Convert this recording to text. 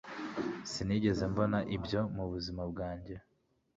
sinigeze mbona ibyo mubuzima bwanjye